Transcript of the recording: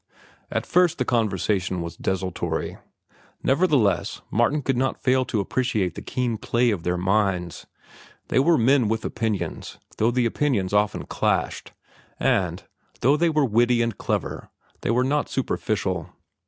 At first the conversation was desultory. Nevertheless Martin could not fail to appreciate the keen play of their minds. They were men with opinions, though the opinions often clashed, and, though they were witty and clever, they were not superficial.